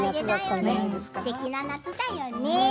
すてきな夏だよね。